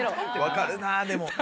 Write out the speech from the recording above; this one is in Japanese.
分かるなでも。